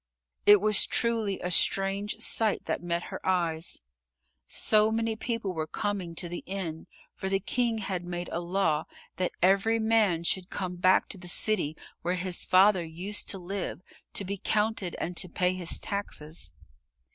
It was truly a strange sight that met her eyes. So many people were coming to the inn, for the King had made a law that every man should come back to the city where his father used to live to be counted and to pay his taxes.